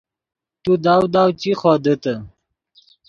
تو داؤ داؤ چی خودیتے